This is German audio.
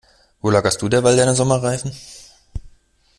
Wo lagerst du derweil deine Sommerreifen?